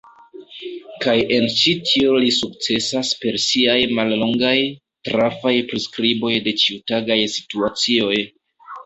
Kaj en ĉi tio li sukcesas per siaj mallongaj, trafaj priskriboj de ĉiutagaj situacioj.